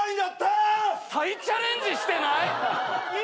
再チャレンジしてない！？